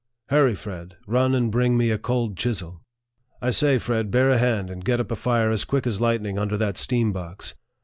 " Hurra, Fred.! run and bring me a cold chisel." "I say, Fred., bear a hand, and get up a fire as quick as light ning under that steam box."